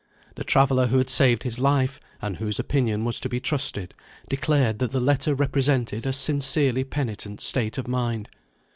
The traveller who had saved his life, and whose opinion was to be trusted, declared that the letter represented a sincerely penitent state of mind.